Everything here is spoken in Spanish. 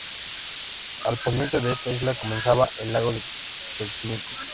Al poniente de esta isla comenzaba el lago de Xochimilco.